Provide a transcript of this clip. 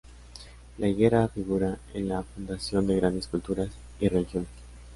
La higuera figura en la fundación de grandes culturas y religiones.